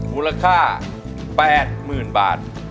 มูลค่าแปดหมื่นบาท